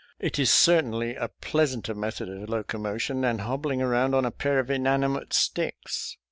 It is certainly a pleasanter method of locomotion than hobbling around on a pair of inanimate sticks.